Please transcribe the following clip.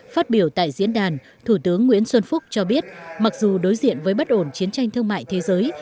phát biểu tại diễn đàn thủ tướng nguyễn xuân phúc cho biết mặc dù đối diện với bất ổn chiến tranh thương mại thế giới